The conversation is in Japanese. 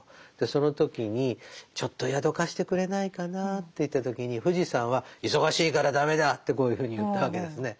その時に「ちょっと宿を貸してくれないかな」と言った時に富士山は「忙しいから駄目だ」ってこういうふうに言ったわけですね。